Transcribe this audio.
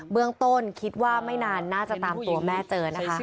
เรื่องต้นคิดว่าไม่นานน่าจะตามตัวแม่เจอนะคะ